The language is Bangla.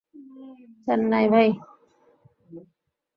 চেন্নাই, ভাই।